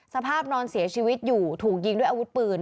สภาพนอนเสียชีวิตอยู่ถูกยิงด้วยอาวุธปืน